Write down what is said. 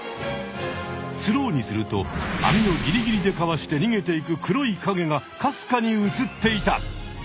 スローにするとあみをギリギリでかわしてにげていく黒いかげがかすかに映っていた。